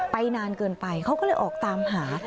นานเกินไปเขาก็เลยออกตามหา